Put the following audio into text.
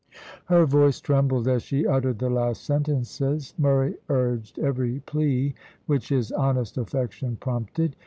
Her voice trembled as she uttered the last sentences. Murray urged every plea which his honest affection prompted.